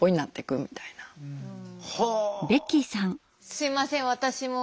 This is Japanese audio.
すいません私も。